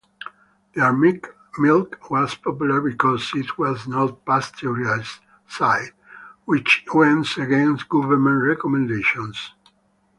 Their milk was popular because it was not pasteurized, which went against government recommendations.